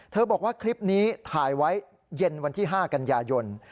บอกว่าคลิปนี้ถ่ายไว้เย็นวันที่๕กันยายน